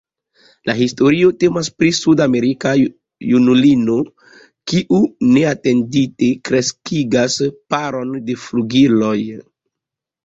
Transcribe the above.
La historio temas pri sudamerika junulino kiu neatendite kreskigas paron de flugiloj.